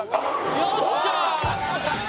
よっしゃー！